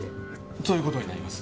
「そういう事になります」